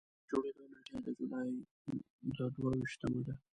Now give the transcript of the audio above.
د جوړېدو نېټه یې د جولایي د دوه ویشتمه ده.